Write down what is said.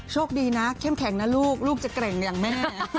โชคดีนะเข้มแข็งนะลูกลูกจะเกร็งอย่างแม่นะ